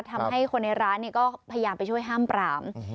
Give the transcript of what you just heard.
ทำให้คนในร้านก็พยายามไปช่วยห้ามปราม